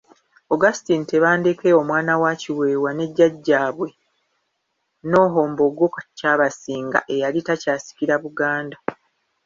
Augustine Tebandeke omwana wa Kiweewa ne jjaajjaabwe Noho Mbogo Kyabasinga eyali takyasikira Buganda.